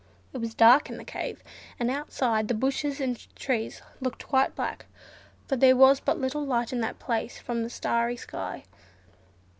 It was dark in the cave, and outside the bushes and trees looked quite black—for there was but little light in that place from the starry sky.